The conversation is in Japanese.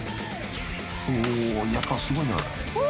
［おおやっぱすごいな］